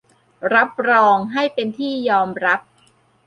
รับรองให้เป็นที่ยอมรับ